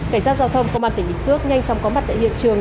cảnh sát giao thông công an tỉnh bình phước nhanh chóng có mặt tại hiện trường